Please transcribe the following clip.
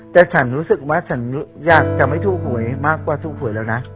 แต่ฉันยังจะไม่ทู้หวยมากกว่าทูหวยแล้วนะ